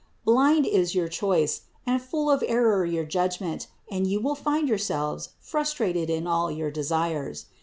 Blind is your choice and full of error your judgment, and you will find yourselves frus trated in all your desires.